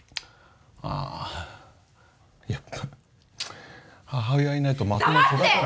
ああやっぱ、母親いないとまともに育たない。